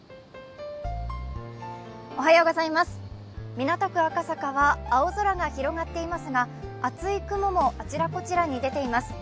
港区赤坂は青空が広がっていますが厚い雲もあちらこちらに出ています。